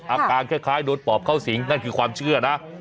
อาการคล้ายโดนปอบเข้าสิงนั่นคือความเชื่อนะ